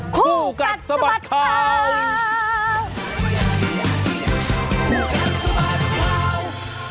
คู่กัดสะบัดข่าว